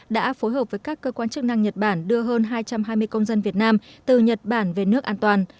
đã phối hợp với các cơ quan chức năng nhật bản đưa hơn hai trăm hai mươi công dân việt nam từ nhật bản về nước an toàn